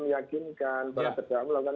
meyakinkan bahwa terdakwa melakukan